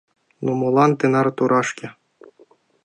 «Ну молан тынар торашке?